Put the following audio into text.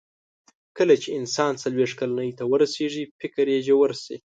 کله چې انسان څلوېښت کلنۍ ته ورسیږي، فکر یې ژور شي.